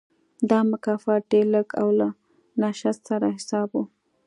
دا مکافات ډېر لږ او له نشت سره حساب و.